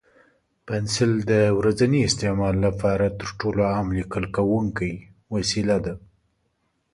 پنسل د ورځني استعمال لپاره تر ټولو عام لیکل کوونکی وسیله ده.